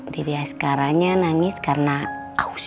tante jas karanya nangis karena aus